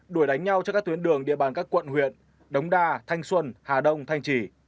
đuổi đánh nhau trên các tuyến đường địa bàn các quận huyện đống đa thanh xuân hà đông thanh trì